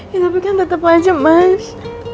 ya tapi kan tetep wajib mas